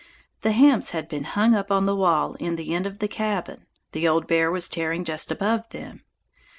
The hams had been hung up on the wall in the end of the cabin; the old bear was tearing just above them.